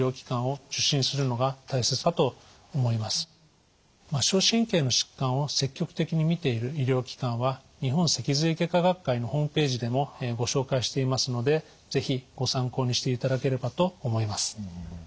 末梢神経の疾患を積極的に診ている医療機関は日本脊髄外科学会のホームページでもご紹介していますので是非ご参考にしていただければと思います。